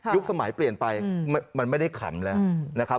สมัยเปลี่ยนไปมันไม่ได้ขำแล้วนะครับ